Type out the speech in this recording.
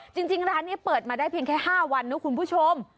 จริงร้านนี้เปิดมาได้เพียงแค่๕วันนะคุณผู้ชม